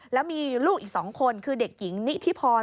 แล้วมีลูกอีก๒คนคือเด็กหญิงนิธิพร